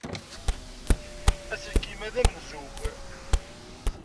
Aselkim-a d amenzug?